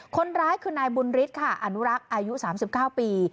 คนร้ายคือนายบุญฤทธิ์ค่ะอนุรักษ์อายุ๓๙ปี